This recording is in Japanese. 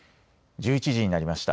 １１時になりました。